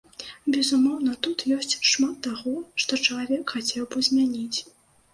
Безумоўна, тут ёсць шмат таго, што чалавек хацеў бы змяніць.